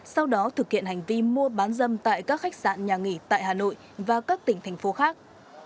sau đó thực hiện hành vi mua bán dâm tại các khách sạn nhà nghỉ tại hà nội và các tỉnh thành phố khác